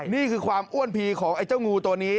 นี่คือความอ้วนพีของไอ้เจ้างูตัวนี้